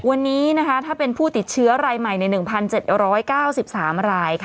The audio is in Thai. วันนี้ถ้าเป็นผู้ติดเชื้อรายใหม่ใน๑๗๙๓ราย